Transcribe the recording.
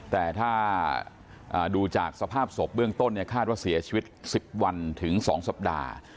แต่ถ้าดูจากสภาพศพเบื้องต้นเนี่ยคาดว่าเสียชีวิต๑๐วันถึง๒สัปดาห์